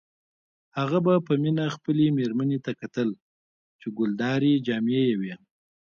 هغه به په مینه خپلې میرمنې ته کتل چې ګلدارې جامې یې وې